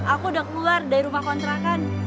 aku udah keluar dari rumah kontra kan